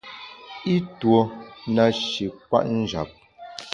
I tuo nashi kwet njap.